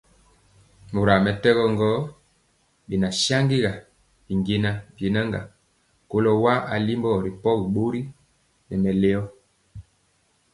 Mora mɛtɛgɔ gɔ, bɛna saŋgi bijɛna biena kɔlo wa alimbɔ ripɔgi bori nɛ mɛlɔ.